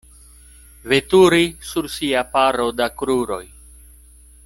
Veturi sur sia paro da kruroj.